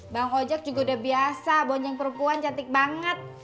bang kojek juga udah biasa bonceng perempuan cantik banget